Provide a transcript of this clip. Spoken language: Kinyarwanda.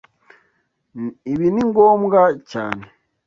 Ibi ni ngombwa cyane.